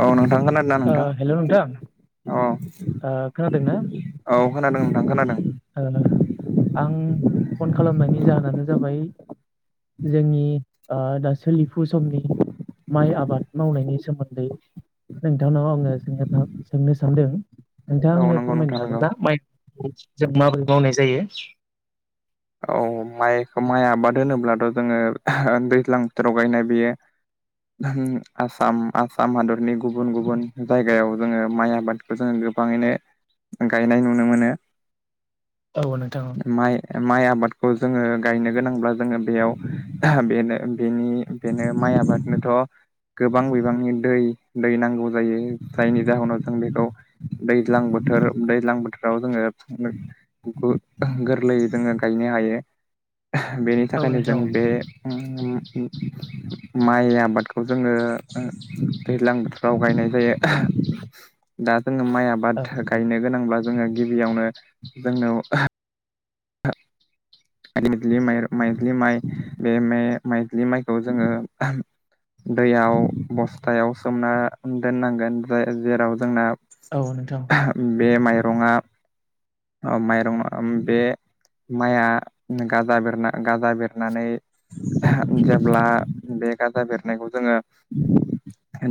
औ नोंथां खोनादोंना ओ नोंथां हेल' नोंथां औ ओ खोनादोंना औ खोनादों नोंथां खोनादों ओ आं फन खालामनायनि जाहोनानो जाबाय जोंनि ओ दा सोलिफु समनि माइ आबाद मावनायनि सोमोन्दै नोंथांनाव आंङो सोंनो सानदों नोंथां औ आनो नंगौ फोरमायनो नोंथां हागोन नंगौ ना माइफोरखौ जों माबोरै मावनाय जायो। औ माइखौ माइ आबाद होनोब्लाथ जोंङो दैज्लां बोथोराव गायनाय बेयो। आसाम आसाम हादरनि गुबुन गुबुन जायगायाव जोंङो माइ आबादखौ जोंङो। गोबाङैनो गायनाय नुनो मोनो औ नोंथां औ माइ माइ आबादखौ जोङो गायनो गोनांब्ला जोङो बेयाव बेनो बेनि बेनो माइ माइ आबादनोथ' गोबां बिबांनि दै- दै नांगौ जायो जायनि जाहोनाव जों बेखौ दैज्लांबो थोर दैज्लां बोथोराव जोङो बेखौ गोरलै जोङो गायनो हायो बेनि औ थाखायनो जों नोंथां बे उम माइ आबादखौ जोङो ओ दैज्लां बोथोराव गायनो जायो दा जोंनो माइ आबाद औ गायनो गोनांब्ला जोङो गिबियावनो जोंनो [inaudible] लि माइज्लि माइ माइज्लि माइ बे मे माइज्लि माइखौ जोङो दैयाव बस्थायाव सोमना दोननांगोन ज जेराव जोंना औ नोंथां बे माइरङआ माइरं बे माइया गाजा बेरना गाजा बेरनानै जेब्ला बे गाजा बेरनायखौ जोङो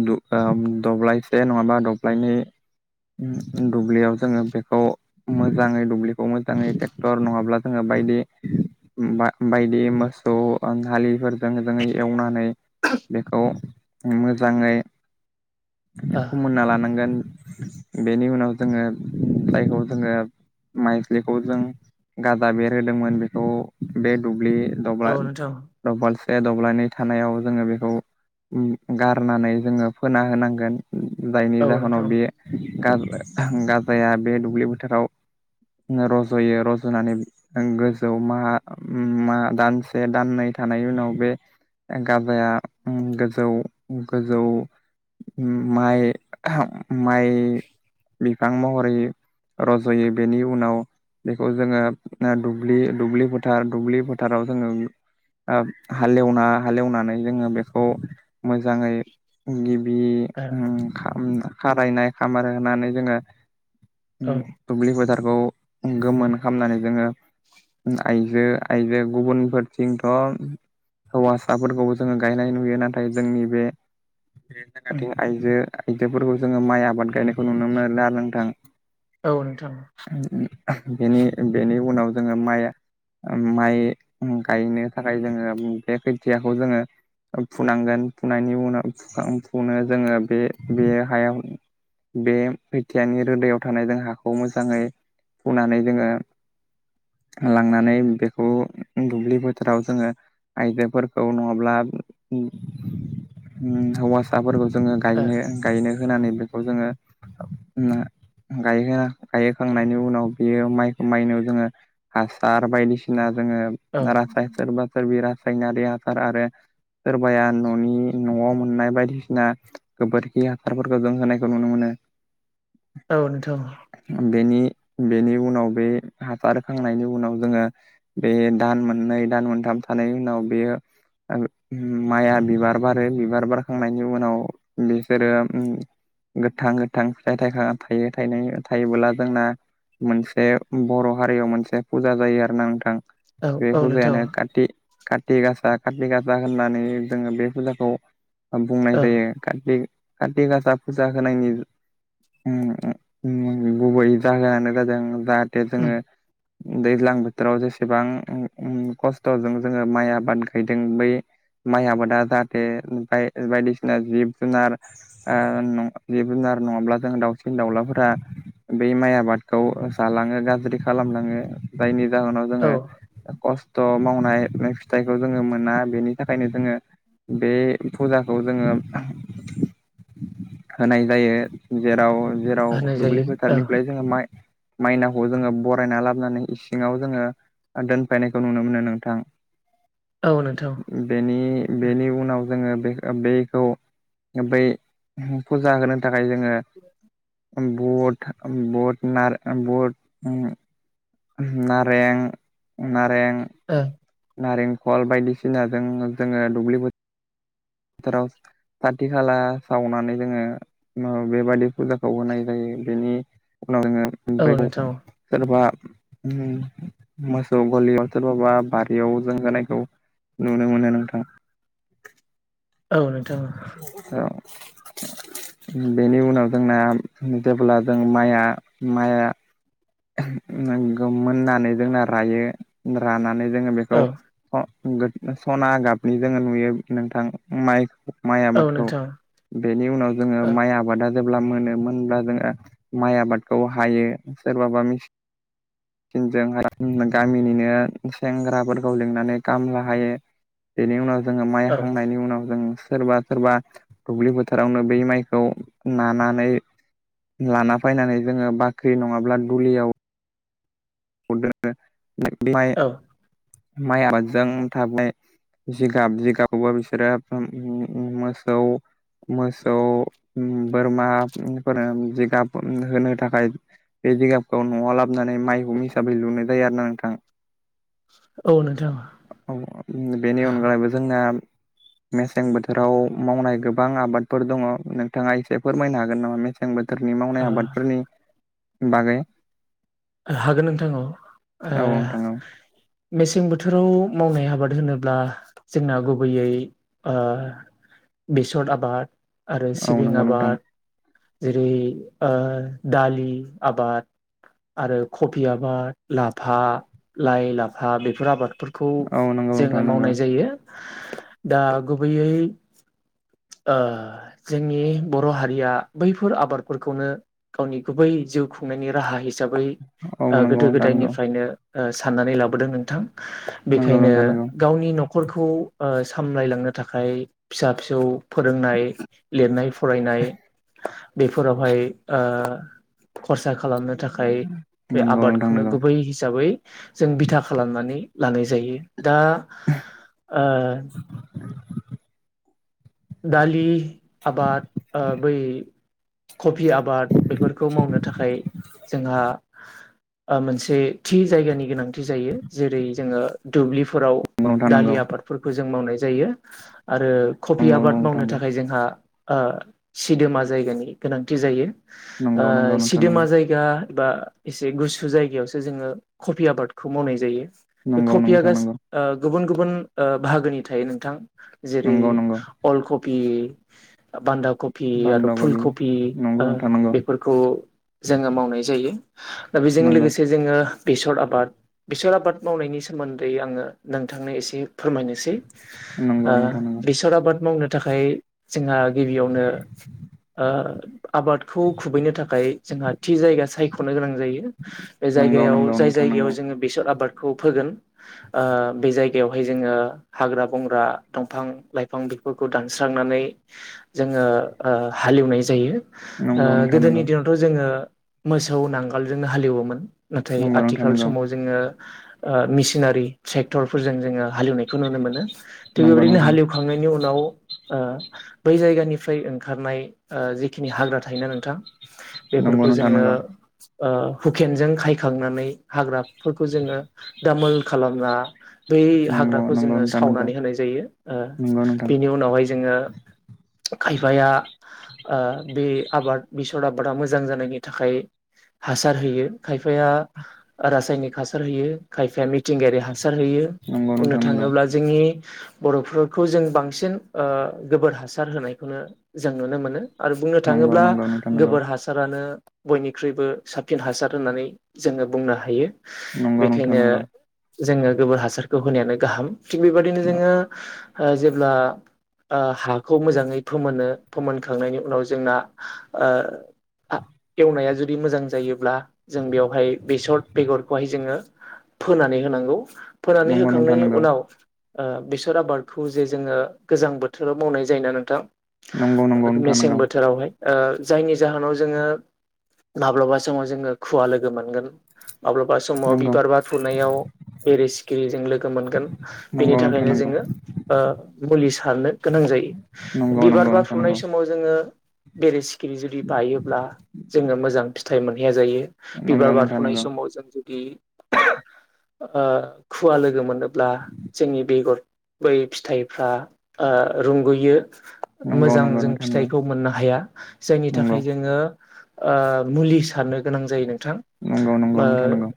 दु ओ दब्लायसे नङाबा दब्लायनै उम दुब्लियाव जोङो बेखौ मोजाङै दुब्लिखौ मोजाङै नङाब जोङो बायदि बायदि मोसौ हालिफोर जो जोङ एवनानै बेखौ मोजाङै ए ओ फोमोनना लानांगोन बेनि उनाव जोङो जायखौ जोङो माइज्लिखौ जों गाजा बेरहोदोंमोन बेखौ बे दुब्लि दब्ला औ नोंथां औ नोंथां दबल सबे दब्लायनै थानायाव जोङो बेखौ गारनानै जोङो फोना होनांगोन जायनि ओ जाहोनाव बेयो गाज गाजाया बे दुब्लि बोथोराव नो रज'यो। जनानै गोजौ मा-मा दानसे दाननै थानाय उनाव बे गाजाया उम गोजौ गोजौ माइ माइ बिफां महरै रज'यो बेनि उनाव बे बेखौ जोङो दुब्लि दुब्लि फोथार दुब्लि फोथाराव जोङो ओ हालेवना हालेवनानै जोङो बेखौ मोजांङै गिब बि उम खा खारायनाय खामार होनानै जोङो औ उम दुब्लि फोथारखौ गोमोन खालामनानै जोङो आइजो आइजो गुबुनफोरथिंथ' हौवासाफोरखौबो जोङो गायनाय नुयो नाथाय जोंनि बे उम बेरैनोगाथिं आइजो आइजोफोरखौ जोङो माइ आबाद गायनायखौ नुनो मोना नोंथां औ नोंथां। बेनि बेनि उनाव जोङो माइ माइ गायनो थाखाय जोङो बे खोथियाखौ जोङो फुनांगोन फुननायनि उनाव फुखां फुनो जोङो बे बे हायाव बे खोथियानि रोदायाव थानाय जों हाखौ मोजाङै फुनानै जोङो लांनानै बेखौ दुब्लि बोथोराव जोङो आयजोफोरखौ नङाब्ला उम हौवासाफोरखौ जोङो ओ गायनो गायनो होनानै बेखौ जोङो गायहोना गायहोखांनायनि उनाव बेयो माइखौ माइनोाव जोङो हासार बायदिसिना जोङो औ रासाय सोरबा सोरबि रासा सायनारि हासार आरो सोरबाया न'नि न'आव मोननाय बायदिसिना गोबोरखि हासारफोरखौ जों होनायखौ नुनो मोनो [inaudible] औ नोंथां। बेनि बेनि उनाव बे हासार होखांनायनि उनाव जोङो बे दान मोननै दान मोनथाम था। नायनि उनाव बेयो। माइआ बिबार बारो बिबार बारखांनायनि उनाव बे जेरो उम गोथां गोथां फिथाय थयखा थायो थयना थायोबोला जोंना मोनसे बर हारियाव मोनसे फुजा जायो आरो ना नोंथां। औ बे औ नोंथां फुजायानो काति काति गासा काति गासा होननानै जोङो बे फुजाखौ बुंनाय औ जायो काति काति गासा फुजा होनायनि उम उम गुबैयै जाहोनानो जों जाहाथे उम जोङो दैज्लां बोथोराव जेसेबां खस्थजों जोङो माइ आबाद गायदों बै माइ आबादा जाहाथे बाय बायदिसिना जिब जुनार ओ न जिब जुनार नङाब्ला जों दाउसिन दाउलाफोरा बै माइ आबाद खौ जालाङो गाज्रि खालामलाङो जायनि जाहोनाव जोङो औ खस थ मावनाय फिथाइखौ जोङो मोना बेनि थाखायनो जोङो बे फुजाखौ जोङो होनाय जायो जेराव जेराव होनाय दुब्लि जायो औ फोथारनिफ्राय जोङो माइ मायनावखौ जोङो बरायना लाबनानै इसिङाव जोङो दोनफैनायखौ नुनो मोनो नोंथां औ नोंथां बेनि बेनि उनाव जोङो बेख बैखौ बै फुजा होनो थाखाय ओ जोङो बत उम बत नार उम बत उम नारें नारें औ नारें खल बायदिसिनाजों जोङो दुब्लिबो फोथोराव साथि खाला सावनानै जोङो बेबादि फुजाखौ होनाय जायो बेनि उनाव औ नोंथां जोङो सोरबा मोसौ गलियाव सोरबाबा बारियाव जों होनायखौ नुनो मोनो नोंथां औ नोंथां [inaudible] बेनि उनाव जोंना जेब्ला जों माइआ माइआ नोंगो मोननानै जोंना रायो रानानै जोङो बेखौ औ स गो सना गाबनि जोङो नुयो नोंथां माइखौ माइ औ आबादखौ नोंथां बेनि उनाव जोङो औ माइ आबादा जेब्ला मोनो मोनब्ला जोङो माइ आबादखौ हायो सोरबाबा मिच जों जों गामिनिनो सेंग्राफोरखौ लिंनानै कामला हायो बेनि उनाव जोङो माइ औ हाखांनायनि उनाव जों सोरबा सोरबा दुब्लि फोथारावनो बै माइखौ नानानै लाना फैनानै जोङो बाख्रि नङाब्ला दुलियाव [inaudible] औ माइ आबादजों थाबनाय जिगाब जिगबखौबा बिसोरो उ उ उ मोसौ मोसौ बोरमाफोरा जिगाब होनो थाखाय जिगाबखौ नआव लाबनानै माइहुं हिसाबै लुनाय जायो आरोना नोंथां औ नोंथां [inaudible] औ बेनि अनगायैबो जोंना मेसें बोथोराव मावनाय गोबां आबादफोर दङ नोंथाङा एसे फोरमायनो हागोन नामा मेसें बो [unintelligible] नि मावनाय आबादफोरनि बागै हागोन नोंथां औ ओ औ नोंथां औ मेसें बोथोराव मावनाय आबाद होनोब्ला जोंना गुबैयै ओ बेसर आबाद आरो औ सिबिं नंगौ नोंथां आबाद जेरै ओ दालि आबाद आरो कफि आबाद लाफा लाइ लाफा बेफोर आबाद फोरखौ औ नंगौ जोङो नोंथां नंगौ मावनाय जायो दा गुबैयै ओ जोंनि बर' हारिया बैफोर आबादफोरखौनो गावनि गुबै जिउ खुंनायनि राहा हिसाबै औ नंगौ गोदो नोंथां नंगौ गोदायनिफ्रायनो साननानै लाबोदों नोंथां। नंगौ बेखायनो नोंथां नंगौ गावनि न'खरखौ ओ सामलायलांनो थाखाय फिसा-फिसौ फोरोंनाय, लिरनाय, फरायनाय बेफोरावहाय ओ खरसा खालाम थाखाय बे नंगौ आबादखौनो नोंथां गुबै हिसाबै जों बिथा खालामनानै लानाय जायो दा ओ दालि आबाद ओ बै कफि आबाद बेफोरखौ मावनो थाखाय जोंहा ओ मोनसे थि जायगानि गोनांथि जायो। जेरै जोङो दुब्लिफोराव दालि नंगौ आबादफोरखौ जों मावनाय जायो आरो बि नंगौ आबाद नोंथां मावनो नंगौ थाखाय जोंहा ओ सिदोमा जायगानि गोनांथि जायो। नंगौ ओ नोंथां सिदोमा नंगौ जायगा बा एसे गुसु जायगायावसो जोङो कफि आबादखौ मावनाय जायो। बे नंगौ नोंथां नंगौ कपिया नोंथां गासै नंगौ गुबुन गुबुन बाहागोनि थायो नोंथां। जेरै नंगौ नंगौ अल कपि बान्दा कफि आरो बान्दा कबि फुलकबि नंगौ नोंथां नंगौ बेफोरखौ जोङो मावनाय जायो। दा बेजों नंगौ लोगोसे जोङो बेसर आबाद बेसर आबाद मावनायनि सोमोन्दै आङो नोंथांनो एसे फोरमायनो सै नंगौ नोंथां नंगौ ओ बेसर आबाद मावनो थाखाय जोंहा गिबियावनो ओ आबादखौ खुबैनो थाखाय जोंहा थि जायगा सायख'नो गोनां जायो। बे नंगौ जायगायाव नंगौ जाय नोंथां जायगायाव नंगौ जोङो बेसर आबाद खौ फोगोन बे जायगायावहाय जोङो हाग्रा-बंग्रा, दंफां लाइफां बेफोरखौ दानस्रांनानै जोङो ओ हालेवनाय जायो। ओ नंगौ नोंथां नंगौ गोदोनि दिनावथ' जोङो मोसौ नांगोलजोंनो हालेवोमोन। नाथाय नंगौ नोंथां आथिखाल नंगौ समाव जोङो ओ मिसिनारि ट्रेक्टरफोरजों जोङो हालेवनायखौ नुनो मोनो। थिग नंगौ बेबायदिनो नोंथां। हालेवखांनायनि उनाव ओ बै जायगानिफ्राय ओंखारनाय ओ जिखिनि हाग्रा थायोना नोंथां नंगौ बेफोरखौ नोंथां नंगौ नोंथां जोङो नंगौ ओ हुकेनजों खायखांनानै हाग्राफोरखौ जोङो दामोल खालामना बै नंगौ हाग्राखौ जोङो नोंथां नंगौ सावनानै होनाय जायो। ओ नंगौ नोंथां बिनि उनावहाय जोङो खायफाया ओ बे आबाद बेसर आबादा मोजां जानायनि थाखाय हासार होयो, खायफाया रासायनिक हासार होयो, खायफाया मिथिंगायारि हासार होयो नंगौ बुंनो नोंथां नंगौ थाङोब्ला जोंनि बर'फोर खौ जों बांसिन ओ गोबोर हासार होनायखौनो जों नुनो मोनो। आरो बुंनो नंगौ थाङोब्ला नंगौ नोंथां नंगौ गोबोर हासारानो बयनिख्रुइबो साबसिन हासार होननानै जोङो बुंनो हायो। बेखायनो जोङो गोबोर हासारखौ होनायानो गाहाम। थिग बेबदिनो जोङो ओ जेब्ला ओ हाखौ मोजाङै फोमोनो फोमोनखांनायनि उनाव जोंना ओ एवनाया जुदि मोजां जायोब्ला जों बेवहाय बेसर बेगरखौहाय जोङो फोनानै होनांगौ फोनानै नंगौ नोंथां होखांनायनि नंगौ उनाव ओ बेसर आबाद खौ जे जोङो गोजां बोथोराव मावनाय जायोना नोंथां। नंगौ नोंथां मेसें नंगौ बोथोरावहाय जायनि जाहोनाव जोङो माब्लाबा समाव जोङो खुवा लोगो मोनगोन। माब्लाबा समाव नंगौ बिबार बार फुनायाव बेरे सिखिरिजों लोगो मोनगोन। बेनि नंगौ नोंथां थाखायनो नंगौ जोङो ओ मुलि सारनो गोनां जायो। नंगौ बिबार नंगौ बार फुनाय समाव जोङो बेरे सिखिरि जुदि बायोब्ला जोङो मोजां फिन फिथाइ मोनहैया जायो बिबार नोंथां बारफ'नाय नंगौ समाव जों जुदि खुवा लोगो मोनोब्ला जोंनि बेगर बै फिथाइफ्रा रुंगुयो नंगौ नंगौ मोजां जों नोंथां फिथाइखौ मोननो हाया जायनि नंगौ थाखाय जोङो मुलि सारनो गोनां जायो नोंथां नंगौ नोंथां नंगौ नोंथां नंगौ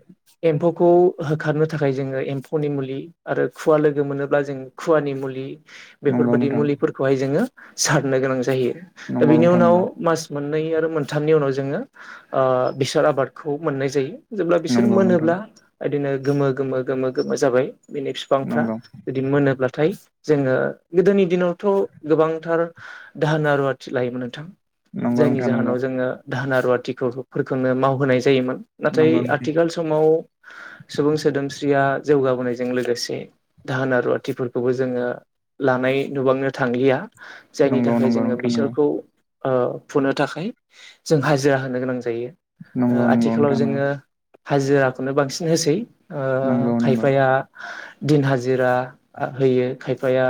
एम्फौ खौ होखारनो थाखाय जोङो एम्फौनि मुलि, आरो खुवा लोगो मोनोब्ला जों खुवानि मुलि नंगौ नंगौ बेफोरबाददि नोंथां मुलिफोरखौहाय जोङो सारनो गोनां जायो नंगौ दा बेनि नोंथां उनाव मास मोननै आरो मोनथामनि उनाव जोङो बिसाद आबादखौ मोननाय जायो। जेब्ला बिसोर नंगौ मोनोब्ला नोंथां बिदिनो गोमो गोमो गोमो गोमो जाबाय। बेनि बिफांफ्रा नंगौ जुदि मोनोब्ला जोङो गोदोनि दिनावथ' गोबांथार दाहोना रुवाथि लायोमोन नोंथां। नंगौ जायनि नोंथां जाहोनाव नंगौ जोङो दधोना रुवाथिफोरखौनो मावहोनाय जायोमोन। नाथाय नंगौ आथिखाल समाव सुबुं सोदोमस्रिया जौगाबोनायजों लोगोसे दाहोन रुवाथि खौबो जोङो लानाय नुबांनो थांलिया जायनि नोंथां नंगौ थाखाय जोङो नोंथां बिसोरखौ नंगौ फुनो थाखाय जों हाजिरा होनो गोनां जायो नंगौ आथिखालाव नोंथां नंगौ जोङो हाजिराखौनो बांसिन होसै नंगौ नंगौ खायफाया दिन हाजिरा होयो खायफाया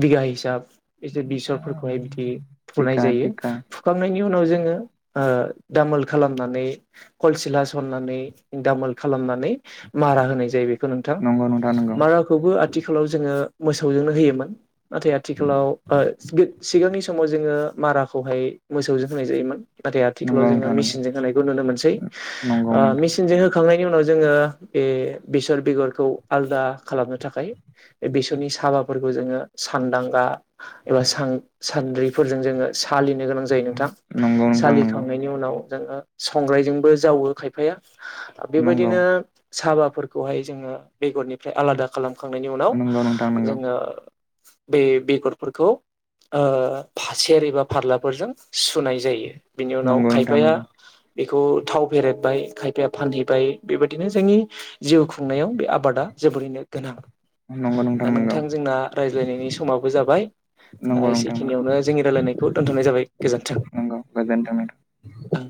बिगा हिसाब एसे बेसरफोरखौहाय बिदि फुनाय टिका जायो टिका फुखांनायनि उनाव जोङो, दामोल खालामनानै कलसिला सरनानै दामोल खालामनानै मारा होनाय जायो बेखौ नोंथां, नंगौ नोंथां नंगौ माराखौबो जोो मोनो होयोन ना आथिखालावां समाव जोङो माराखौहाय मोसौजों होनाय जायोमोन। नाथाय आथिखालाव नंगौ जोङो नोंथां नंगौ मिेसिनजों होनायखौ नुनो मोनसै, नंगौ नोंथां नंगौ मिेचनजों होखांनाय बेनि उनाव जोङो बे बेसर बेगरखौ आलदा खालामनो थाखाय। बे बेसरनि साबाफोरखौ जोङो सानदांगा एबा सानद्रिफोरजों जोङो सालिनो गोनां जायो नोंथां नंगौ नोंथां नंगौ सालिखांनायनि उनाव जोङो संग्रायजोंबो जावो खायफाया नंगौ बेबायदिनो साबाफोरखौहाय जोङो बेगरनिफ्राय आलादा खालाम हखांनायनि उनाव नंगौ नोंथां नंगौ जोङो बे बेगरफोरखौ फासेारि एबा फारलाफोरजों सुनाय जायो, बिनि उनाव नंगौ नोंथां खायफाया नंगौ बेखौ थाव फेरेबबाय खायफाया फानहैबाय बेबायदिनो जोंनि जिउ खुंनायाव बे आबादा जोबोरैनो गोनां नंगौ दा नंगौ नोंथां जोंना रायज्लायनायनि समाबो जाबाय। दा नंगौ नोंथां एसेखिनियावनो जोंनि रायलायनायखौ दोनथ'नाय जाबाय गोजोन्थों। नंगौ गोजोनथों नोंथां औ